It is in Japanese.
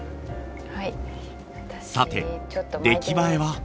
さて出来栄えは？